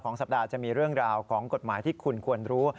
สัปดาห์จะมีเรื่องราวของกฎหมายที่คุณควรรู้